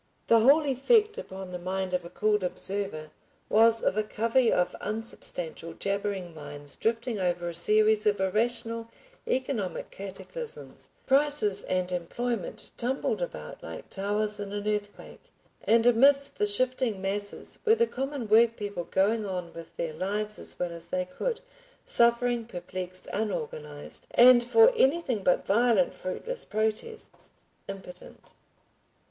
The whole effect upon the mind of a cool observer was of a covey of unsubstantial jabbering minds drifting over a series of irrational economic cataclysms, prices and employment tumbled about like towers in an earthquake, and amidst the shifting masses were the common work people going on with their lives as well as they could, suffering, perplexed, unorganized, and for anything but violent, fruitless protests, impotent.